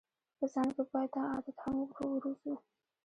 په ځان کې باید دا عادت هم وروزو.